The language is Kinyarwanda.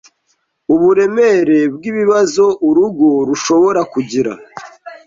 uburemere bw’ibibazo urugo rushobora kugira